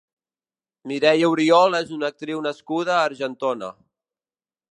Mireia Oriol és una actriu nascuda a Argentona.